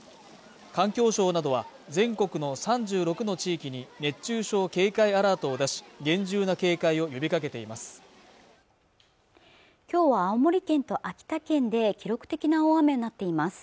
環境省などは全国の３６の地域に熱中症警戒アラートを出し厳重な警戒を呼びかけています